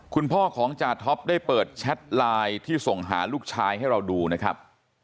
คุณพ่อของจาท็อปได้เปิดแชทไลน์ที่ส่งหาลูกชายให้เราดูนะครับ